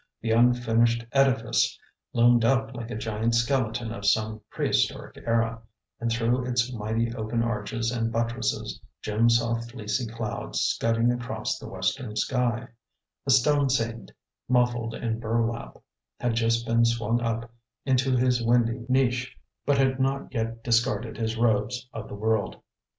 The unfinished edifice loomed up like a giant skeleton of some prehistoric era, and through its mighty open arches and buttresses Jim saw fleecy clouds scudding across the western sky, A stone saint, muffled in burlap, had just been swung up into his windy niche, but had not yet discarded his robes of the world.